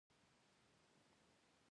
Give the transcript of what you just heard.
دغه مریان په افریقا کې بېګار ته سوق کېدل.